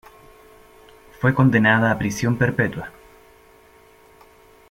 Fue condenada a prisión perpetua.